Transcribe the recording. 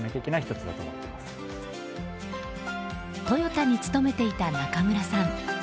トヨタに勤めていた中村さん。